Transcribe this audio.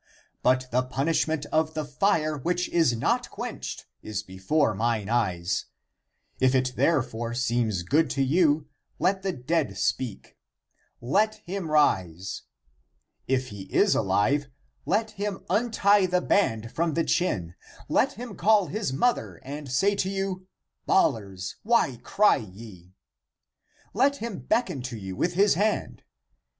But the punishment of the fire which is not quenched is before mine eyes ; if it therefore seems good to you, let the dead speak, let him rise ; if he is alive, let him untie the band from the chin, let him call his mother and say to you, Bawlers, why cry ye? Let him beckon to you with his hand.